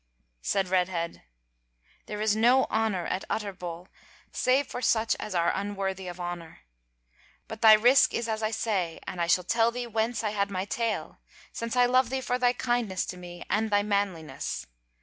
Said Redhead: "There is no honour at Utterbol save for such as are unworthy of honour. But thy risk is as I say, and I shall tell thee whence I had my tale, since I love thee for thy kindness to me, and thy manliness.